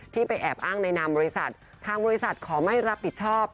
ไปแอบอ้างในนามบริษัททางบริษัทขอไม่รับผิดชอบ